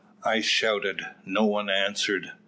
I shouted, no one answered.